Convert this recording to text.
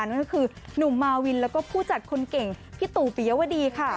นั่นก็คือหนุ่มมาวินแล้วก็ผู้จัดคนเก่งพี่ตู่ปิยวดีค่ะ